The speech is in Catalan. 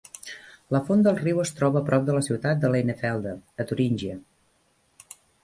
La font del riu es troba a prop de la ciutat de Leinefelde a Turíngia.